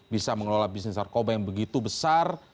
bisa mengelola bisnis narkoba yang begitu besar